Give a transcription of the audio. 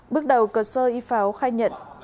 bước đầu cờ sơ y pháo khai nhận